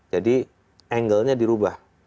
jadi angle nya dirubah